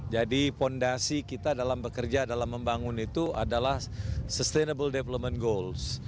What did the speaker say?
jadi fondasi kita dalam bekerja dalam membangun itu adalah sustainable development goals